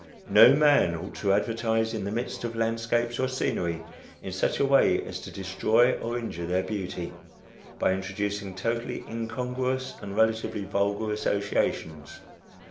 No man ought to advertise in the midst of landscapes or scenery, in such a way as to destroy or injure their beauty by introducing totally incongruous and relatively vulgar associations.